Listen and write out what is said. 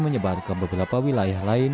menyebar ke beberapa wilayah lain